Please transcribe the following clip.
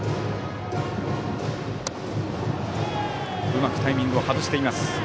うまくタイミングを外しています。